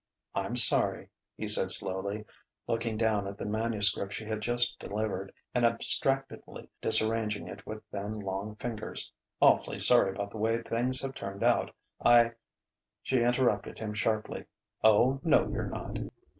"I'm sorry," he said slowly, looking down at the manuscript she had just delivered, and abstractedly disarranging it with thin, long fingers "awfully sorry about the way things have turned out. I " She interrupted him sharply: "O no, you're not!"